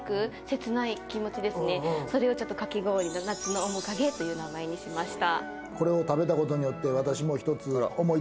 それをかき氷の「夏の面影」という名前にしました。